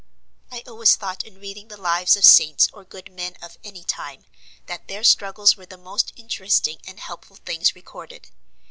"I always thought in reading the lives of saints or good men of any time, that their struggles were the most interesting and helpful things recorded.